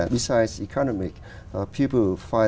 và những người khó khăn